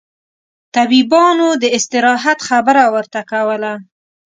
طبيبانو داستراحت خبره ورته کوله.